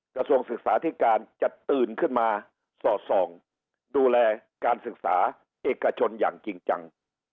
กระทรวงศึกษาธิการจะตื่นขึ้นมาสอดส่องดูแลการศึกษาเอกชนอย่างจริงจัง